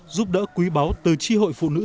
giúp đỡ quý báu từ chi hội phụ nữ